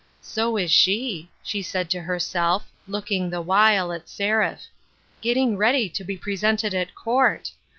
" So is she," she said to herself, looking, the while, at Seraph; "get ting ready to be presented at court